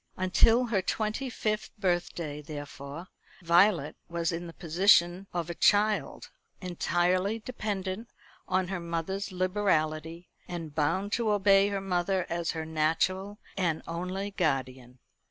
Until her twenty fifth birthday, therefore, Violet was in the position of a child, entirely dependent on her mother's liberality, and bound to obey her mother as her natural and only guardian.